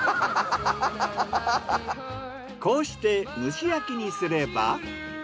こうして蒸し焼きにすれば。